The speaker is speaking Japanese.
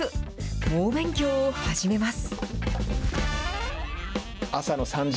猛勉強を始めます。